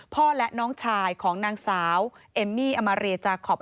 และน้องชายของนางสาวเอมมี่อมาเรียจาคอป